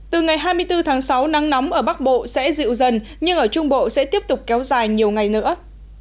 từ ngày hai mươi bốn tháng sáu nắng nóng ở bắc bộ sẽ dịu dần nhưng ở trung bộ sẽ tiếp tục kéo dài nhiều ngày nữa